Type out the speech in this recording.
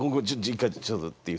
一回ちょっと」っていう。